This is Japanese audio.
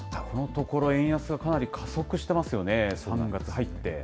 このところ円安がかなり加速してますよね、３月入って。